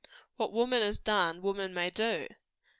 What woman has done, woman may do.